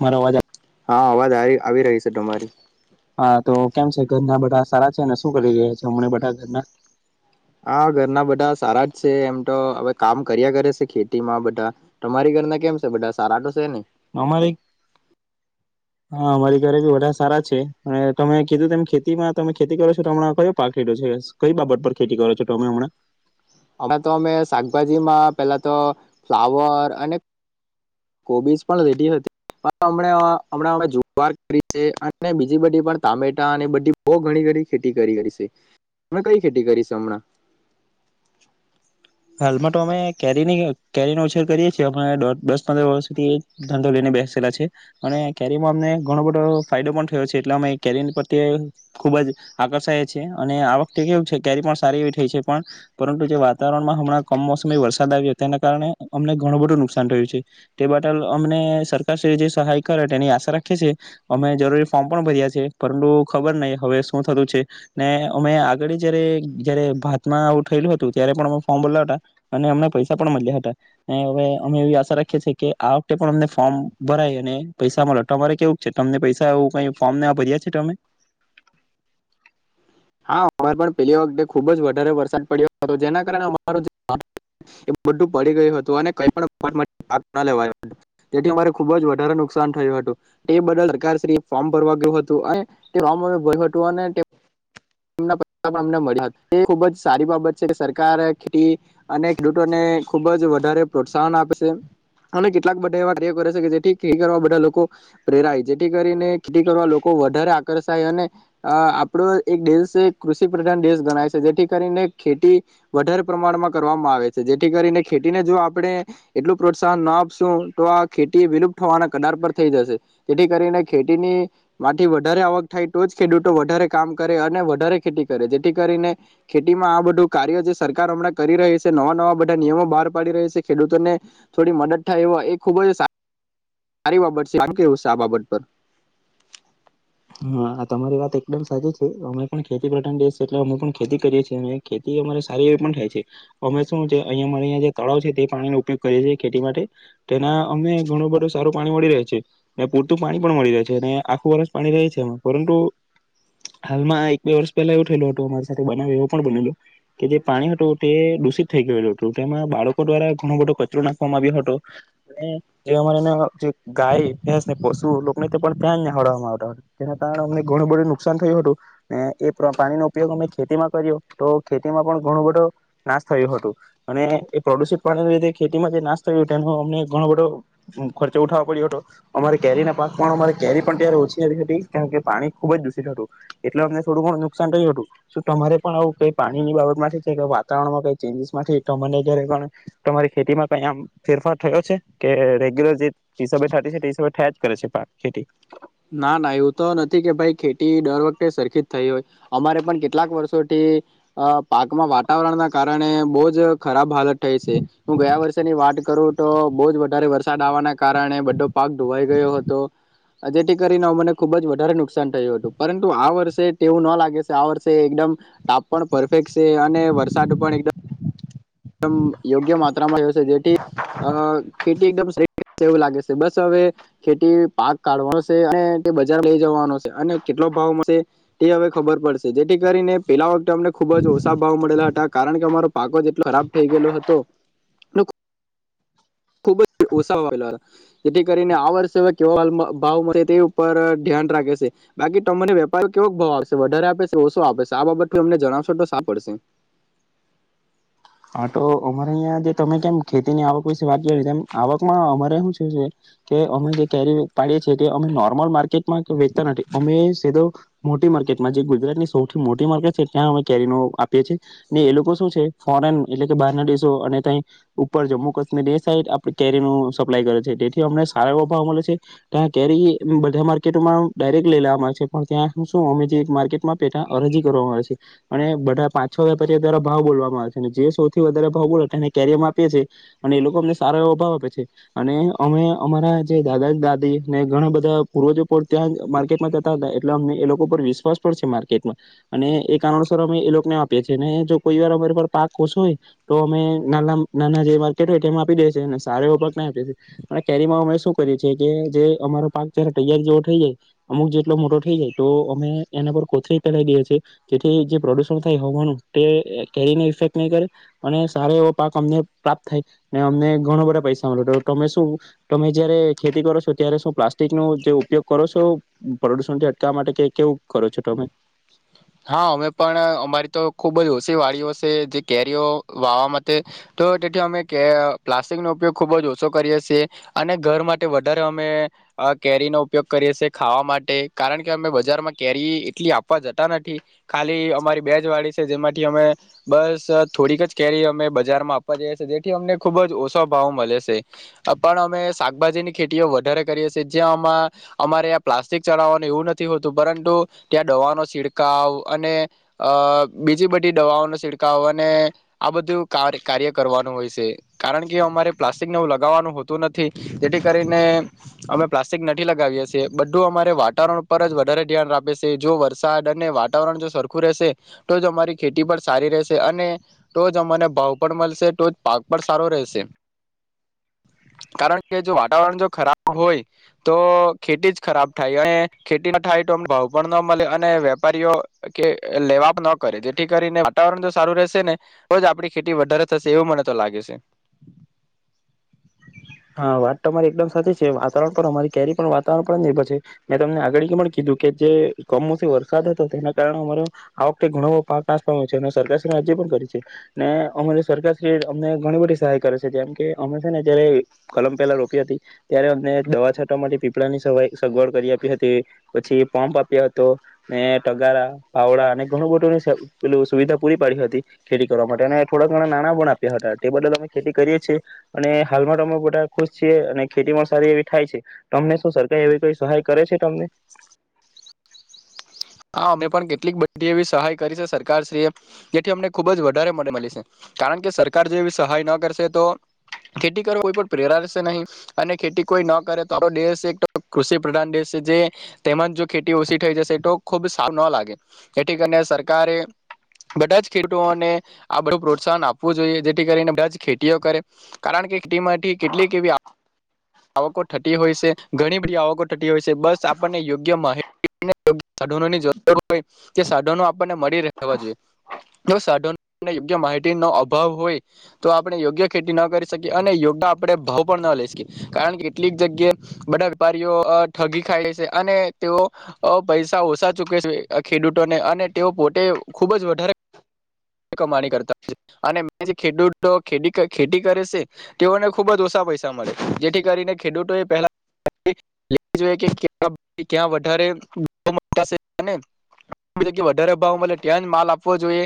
મારાવાજ આવાજ આવી આવી રહી છે તમારી. હા તો કેમ છે ઘરના બધા સારા છે અનેને શું કરી રહ્યા છે હમને બધા ઘરના? હા ઘરના બધા સારા જ છે એમ તો હવે કામ કર્યા કરે છે ખેતીમાં બધા તમારી ઘરના કેમ છે બધા સારા તો છે ને? અમારી હા અમારી ઘરે ભી બા સારા છે અને તમે કીધું તેમ ખેતીમાં તમે ખેતી કરો છો તો હમણાં કયો પા ખડ્યો છે કઈ બાબત પર ખેતી કરો છો તમે હમણાં? હમાં તો અમે શાકભાજીમાં પેલા તો ફ્લાવર અને કોબીસ પણ રેટી હતી પણમણાંમણાં જુવાર કરી છે અને બીજી બધી પણ ટામેટા અને બધી બહ ઘણી ઘ ખેતી કરી છે કઈ ખેતી કરી છે હમણાં? હાલમાં તો અમે કેરીની કેરીનો ઉછેર કરીએ છીએ અઢ દસ પંદર વર્ષ સુધી ધંધો લઈને બેસેલા છે અને કેરીમાં અમને ઘણો બધો ફાયદો પણ થયો છે એટલે અમે કેરી પ્રત્યે ખુબ જ આકર્ષાયી અને આ વખતે કેવું છે કેરી પણ સારી એવી થઈ છે પણ પરંતુ જે વાતાવરણ મા કમસમી વરસાદ આવ્યો તેના કારણે અમને ઘણું બધું નુકસાન થયું છે તે બદલ અમને સરકાર જે સહાય કરે તેની આશા રાખીએ છીએ અમે જરૂરી ફોર્મ પણ ભર્યા છે પરંતુ ખબર નહી હવે શું થતું છે ને અમે આગળ જયારે જયારે ભાતમાં આવું થયેલું હતું ત્યારે પણ ફોર્મ ભર હતા અને અમને પૈસા પણ મળ્યા હતા અને હવે અમે એવી આશા રાખીએ છીએ કે આ વખતે પણ અમને ફોર્મ ભરાય અને પૈસા મળરે કેવું છે તમને પૈસા એ ક ફોર્મ ભર્યા છે તમે? હા પ વખતે ખુબ જ વધારે વરસાદ પડ્યો હતો જેના કારણે અમા બું પડી ગયું હતું અને લેવાથી ખબ વધારે નુકસાન થયું હતું તે બ સરકાર ફોમ ભરવા ગું હતું અને ભ હતું અને મને મળ્યા હતા એ ખુબ જ સારી બાબત છે સરકાર ખેતી અને ખેડૂતોને ખુબ જ વધારે પ્રોત્સાહન આપે છે અને કેટલાક બધા એવા કાર્ય કરે છે કે જેથી ખેતી કરવા બધા લોકો પ્રેરાય જેથી કરીને ખેતી કરવા લોકો વધારે આકર્ષાય અને અ આપડો એક દેશ છે કૃષિ પ્રધાન દેશ ગણાય છે જેથી કરીને ખેતી વધારે પ્રમાણમાં કરવામાં આવે છે જેથી કરીને ખેતીને જો આપણે એટલું પ્રોત્સાહન ના આપશું તો આ ખેતી વિલુપ્ત હોવાના કદાર પર થઈ જશે જેથી કરીને ખેતીની માંથી વધારે આવક થાય તો જ ખેડૂતો વધારે કામ કરે અને વધારે ખેતી કરે જેથી કરીને ખેતીમાં આ બધું કાર્ય જે સરકાર હમણાં કરી રહી છે નવા નવા બધા નિયમો બહાર પાડી રહી છે ખેડૂતોને થોડી મદદ થાય એ એ ખૂબ જ સારી બાબત છે કેવું છે આ બાબત પર? હા તમારી વાત એકદમ સાચી છે અમે પણ ખેતી પ્રધાન છીએ એટલે અમે પણ ખેતી કરીએ છીએ અને ખેતી અમારે સારી એવી પણ થાય છે અમે શું છે અહીંયા અમા અંયા જે તળાવ છે તે પાણીનો ઉપયોગ કરીએ છીએ ખેતી માટે તેના અમે ઘણું બધું સારું પાણી મળી રહે છે અને પૂરતું પાણી પણ મળી રહે છે અને આખું વર્ષ પાણી છેમાં પરંતુ હાલમાં એક બે વર્ષ પહેલા એવું થયેલું હતું અમારી સાથે બનાવ એવો પણ બનેલો કે જે પાણી હતું તે દૂષિત થઈ ગયેલું હતું તેમાં બાળકો દ્વારા ઘણો બધો કચરો નાખવામાં આવ્યો હતો અને એ અમા જે ગાયને પશુને તે પણ ત્યાં નિહાળવામાં આવ તેના કારને અમને ઘણું બધું નુકસાન થયું હતું ને એ પાણી નો ઉપયોગ અમે ખેતીમાં કર્યો તો ખેતીમાં પણ ઘણો બધો નાશ થયો હતું અને એ પ્રદુષિત પાણી લી ખેતીમાં જે નાશ થયો એનો અમને ઘણો બધો ખર્ચો ઉઠાવો પડ્યો હતો અમારે કેરી ના પાક પણ અમા કેરી પણ ત્યારે ઓછી કે પાણી ખુબ જ દૂષિત હતું એટલે અમને થોડું ઘણું નુકસાન થયું હતું શું તમારે પણ આવું કઈ પાણીની બાબત માટેથી છે વાતાવરણમાં કઈ ચેન્જીસ માંને જયારે પણ તમારી ખેતીમાં કઈ આમ ફેરફાર થયો છે કે રેગ્યુલર જે હિસાબે થતી છે તે હિસાબે થયા જ કરે છે ખેતી ના ના એવું તો નથી કે ભાઈ ખેતી દર વખતે સરખી જ થઈ હોય અમારે પણ કેટલાક વર્ષોથી અ પાકમાં વાતાવરણના કારણે બોજ ખરાબ હાલત થઈ છે હું ગયા વર્ષની વાત કરું તો બોજ વધારે વરસાદ આવવાના કારણે બધો પાક ધોવાઈ ગયો હતો. જેથી કરીને મને ખુબ જ વધારે નુકસાન થયું હતું પરંતુ આ વર્ષે તેવું ન લાગે છે આ વર્ષે એકદમ તાપ પણ પરફેક્ટ છે અને વરસાદ પણ એકદમ એકમ યોગ્ય માત્રામાં રહેશે જેથી અ ખેતી એકદમ શ્રેષ્ઠ એવું લાગે છે બસ હવે ખેતી પાક કાઢવાનો છે અને તે બજાર લઈ જવાનો છે અને કેટલો ભાવ મળશે તે હવે ખબર પડશે જેથી કરીને પેલા વખતે અમને ખુબ જ ઓછા ભાવ મળેલા હતા. કારણ કે અમારો પાકો જ એટલો ખરાબ થઈ ગયેલો હતો. ખુબ જ ઓસાવા વાગલો જેથી કરીને આ, વર્ષે કે ભાવ મળે તે, ઉપર ધ્યાન રાખે છે બાકી તમને વેપારી કેવો ભાવ આપશે વધારે આપે છે ઓછો આપે છે આ બાબત અમને જણાવશો તો સા પડશે. હા, તો અમારે અહં જે તમે કેમ ખેતીની આવક વિશે વાત કરી તેમ આવકમાં અમારે શું શ છે કે અમે જે કેરી પાડીએ છીએ તે અમે નોર્મલ માર્કેટમાં કે વેચતા નથી અમે સીધો મોટી માર્કેટમાં જે ગુજરાતની સૌથી મોટી માર્કેટ છે ત્યાં અમે કેરી ન આપીએ છીએ ને એ લોકો શું છે. ફોરેન એટલે કે, બહારના દેશો અને ત્યાં ઉપર જમ્મુ કાશ્મીર એ સાઈડ આપણી કેરીનું સપ્લાય કરે છે તેથી અમને સારા એવો ભાવ મળે છે ત્યાં કેરી બધા માર્કેટોમાં ડાયરેક્ટ લઈ લેવામાં આવે છે પણ ત્યાં શું અમેજી એક માર્કેટમાં પે ત અરજી કરવામાં આવે છે અને બધા પાંચ છો વેપારીઓ દ્વારા ભાવ બોલવામાં આવે છે. જે, સૌથી વધારે ભાવ બો હતા એને કેરિયરમાં આપીએ છીએ અને એ લોકો અમને સારો એવો ભાવ આપે છે અને અમે અમારા જે દાદા દાદી ને ઘણા બધા પૂર્વજ ત્યાં માર્કેટમાં જતા હતા એટલે અમને એ લોકો પર વિશ્વાસ પણ છે માર્કેટમાં અને એ કારણોસર અમે એ લોકોને આપીએ છીએ અને જો કોઈ વાર અમારે પાક. કો હોય તો, અમેના નાના જે માર્કેટ હોય તેમાં આપી દેીએ અને સારો એવો પાક ન આપીએએ અને કેરીમાં અમે શું કરીએ છેીએ કે જે અમારો પાક જ્યારે તૈયાર જેવો થઈ જાય અમુક જેટલો મોટો થઈ જાય તો અમે એના પર કોથરી ફેલાવી દેએ છીએ જેથી જે પ્રદુષણ થાય હોવાનું તે કેરીને ઇફેક નહી કરે અને સારા એવો પાક અમને પ્રાપ્ત થાય ને અમને ઘણો બધા પૈસા મળે તમે શું તમે જયારે ખેતી કરો છો ત્યારે શું પ્લાસ્ટિક ન જે ઉપયોગ કરો છો પ્રદુષણ થી અટકાવવા માટે કે કેવું કરો છો તમે હા, અમે પણ અમારી તો ખુબ જ ઓછી વાળઓ છે. જે કેરીઓ વાવા માટે તો તેથી અમે કે પ્લાસ્ટિકનોો ઉપયોગ ખુબ જ ઓછો કરીએ છીએ અને ઘર માટે વધારે અમે કેરીનોો ઉપયોગ કરીએ છેીએ ખાવા માટે કારણ કે અમે બજારમાં કેરી એટલી આપવા જ. ખાલી અમારી બેજ વાડી છે. જેમાંથી અમે બસ થોડીક જ કેરી અમે બજારમાં આપવા જઈએ છી, જેથી, અમને ખુબ જ ઓછો ભાવ મળે છે પણ અમે શાકભાજીની ખેતીઓ વધારે કરીએ છીએ જ્યાંમાં અમારે પ્લાસ્ટિક ચડવવાનું એવું નથી હોતું પરંતુ ત્યાં દવાનોીડ છકાવ અને અ બીજી બધી દવાઓનો છિડકાવ અને આ બધું કાર કાર્ય કરવાનું હોય છે કારણ કે, અમારે પ્લાસ્ટિકનેું લગાવવાનું હોતું નથી. જેથી કરીને અમે પ્લાસ્ટિક નથી લગાવીએી બધું અમારે વાતાવરણ ઉપર જ વધારે ધ્યાન રાે છે જો વરસાદ દર ને વાતાવરણ જો સરખું રહેશે તો જ અમારી ખેતી પણ સારી રહેશે અને તો જ અમને ભાવ પણ મળશે તો જ પાક પણ સારો રહેશે કારણ કે જો વાતાવરણ જો ખરાબ હોય તો ખેતી જ ખરાબ થાય અને ખેતી ન થાય તો ભાવ પણ ન મળે અને વેપારીઓ કે લેવા ન કરે જેથી કરીને વાતાવરણ જો સારું રહેશે ને તો જ આપડી ખેતી વધારે થશે એવું મને તો લાગે છે. હા, વાત તો અમારી એકદમ સાચી છે વાતાવરણ પણ અમારી કરી પણ વાતાવરણ પર નિર્ભર છે મેં તમને આગળ પણ કીધું કે જે કમોસમી વરસાદ હતો તેના કારણે અમારો આ વખતે ઘણો પાક નાસ પાયો છે અને સરકારશ્રી ને અરજી પણ કરી છે ને અમારી સરકારશ્રી એ અમને ઘણી બધી સહાય કરે છે જેમ કે અમે છે ને જયારે કલમ પહેલા રોપી હતી ત્યારે અમને દવા છાંટવા માટે પીપળાની સવાય સગવડ કરી આપી હતી પછી પોંપ આપ્યા હતો ને ટગારા, પાવડા ને ઘણું બધું સે પેલું સુવિધા પૂરી પાડી હતી ખેડી કરવા માટે અને થોડા ઘણા નાણાં પણ આપ્યા હતા તે બદલ અમે ખેતી કરીએ છીએ. અને હાલમાં તો, અમે તા ખુશ છીએ અને ખેતી માં સારી એવી થાય છે. તમને શું સરકાર એવી કઈ સહાય કરે છે તમને? હા, અમને પણ કેટલીક બધી ખુબ સારું ન લાગે જેથી, કરીને સરકારે બધા જ ખેડૂતોને આ બધું પ્રોત્સાહન આપવું જોઈએ. જેથી કરીને બધા જ ખેતીઓ કરે કારણ કે, ખેતીમાંથી કેટલીક એવી આવકો થતી હોય છે. ઘણી બધી આવકો થતી હોય છે બસ આપણને યોગ્ય માહિતી સાધનોની જરૂર હોય તે સાધનો આપણને મળી રહેવા જોઈએ જો સાધનોને યોગ્ય માહિતી નો અભાવ હોય તો આપણે યોગ્ય ખેતી ન કરી શકીએ અને યોગ્ય આપણે ભાવ પણ ન લઈ શકીએ. કારણ કે, કેટલીક જગ્યા બધા વેપારીઓ અ ઠગી ખાય છે અને તેઓ અ પૈસા ઓછા ચુકે છે ખેડૂતોને અને તેઓ પોટે ખુબ જ વધારે કમાણી કરતા હોય છે અને મે જે ખેડૂતો ખેતી ખેતી કરે છે તેઓને ખુબ જ ઓછા પૈસા મળે જેથી કરીને ખેડૂતો એ પહેલાે જોઈ્યાં વધ વધારે ભાવ મળે ત્યાં જ, માલ આપવો જોઈએ.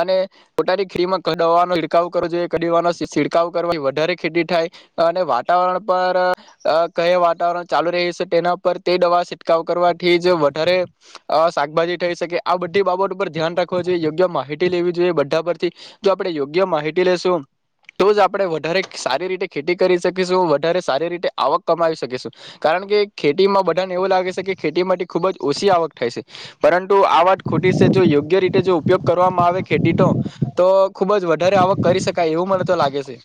અને પોતાની ખ્રીમક દવાનો ઇરખાવ કરવો જોઈએ ક દવાનો છિડકાવ કરવાથી વધારે ખેતી થાય અને વાતાવરણ પર અ-અ કયા વાતાવરણ ચાલુ રહે છે તેના પર તે દવા છિડકાવ કરવાથી જ વધારે અ શાકભાજી થઈ શકે આ બધી બાબત પર ધ્યાન રાખવો જોઈએ યોગ્ય માહિત તી જોઈએ બધા પરથી જો આપડે યોગ્ય માહિતી લેશું તો જ આપણે વધારે સારી રીતે ખેતી કરી શકીશું વધારે સારી રીતે આવક કમાવી શકીશું કારણ કે ખેતીમાં બધાને એવું લાગે છે કે ખેતી માટે ખુબ જ ઓછી આવક થાય છે પરંતુ આ વાત ખોટી છે જો યોગ્ય રીતે જો ઉપયોગ કર વામાં આવે ખેતી તો તો ખુબ જ વધારે આવક કરી શકાય એવું મને તો લાગે છે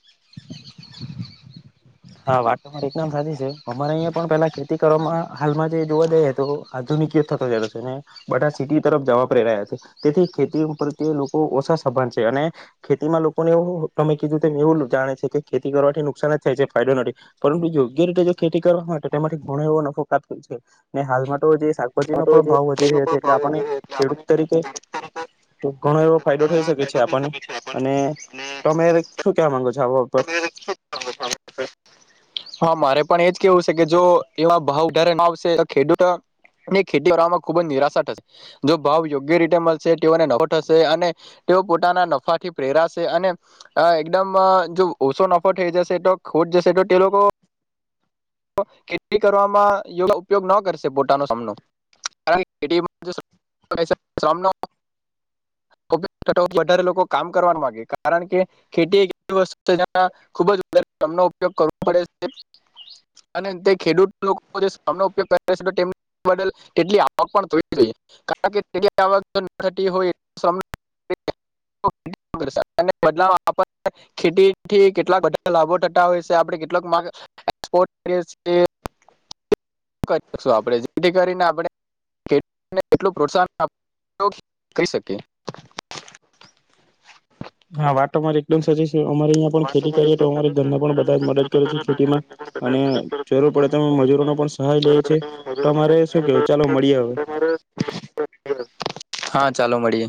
હા, વાત તો મારી એકદમ સાચી છે. અમારે અહિયાં પણ પેલા ખેતી કરવામાં હાલમાં જે જોવા જઈએ તો આધુનિકી થતો જ છે ને બધા સિટી તરફ જવા પ્રેરાયા છે તેથી ખેતી પ્રત્યે લોકો ઓછા સભાન છે અને ખેતીમાં લોકોને એવું તમે કીધું એવું જાણે છે કે ખેતી કરવાથી નુકસાન જ થાય છે. ફાયદો નથી પરંતુ યોગ્ય રીતે જો ખેતી કરવા હોય તેમાંથી ઘણો એવો નફો કાપ્યો છે ને હાલમાં તો જે શાકભાજી નો પણ ભાવ વધી રહ્યો છે એટલે આપને ખેડૂત તરીકે ઘણો એવો ફાયદો થઈ શકે છે આપને. અને તમે શું કેવા માંગો છો? જવો ઉપર હા, મારે પણ એજ કેવું છે કે જો એવા ભાવ [unintelligible] આવશે. તો ખેડૂત ની ખેતી કરવામાં ખુબ જ નિરાશા થશે જો ભાવ યોગ્ય રીતે મળશે તેઓને નફો થશે અને તેઓ પોતાના નફાથી પ્રેરાશે અને એકદમ જો ઓછો નફો થઈ જશે તો ખોટ જશે તો તે લોકો ખેતી કરવામાં યો ઉપયોગ ન કરશે પોતાનો સામનો [unintelligible] વધારે લોકો કામ કરવા ન માંગે કારણ કે ખેતી એક એવી વસ્તુ છે જ્યાં ખુબ જ વધારે શ્રમનો ઉપયોગ કરવો પડે. અને તેખેડૂત લોકો જે શ્રમનો ઉપયોગ છે બદલ તેટલી આવક પણ થવી જોઈએ કારણ કે આવક [unintelligible] ખેતીથી કેટલાકા લાભો થતા હોય છે આપ કેટલોક [inaudible] હા, વાત મારી એકદમ સજી તો અમારે અહીંયા પણ વાત ખેતી તમારી કરીએ તો એકદમ અમારે સાચી ઘર છે પણ અમારે બધા મદદ કરે છે અહીંયા ખેતીમાં આગળ ખેતી અને કરીએ તો અમારે અમને પણ બધા જ મદદ કરે છે જરૂર પડે તો ખેતીમાં મજૂરોનો અને પણ સહાય લઈએ છે તો મજૂરોને અરે પણ શું સહાય કેવું કરે ચાલો છે. મળીએ હવે. તમારે હા ચાલો મળીએ.